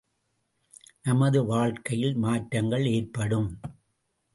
நமது வாழ்க்கையில் மாற்றங்கள் ஏற்படும்!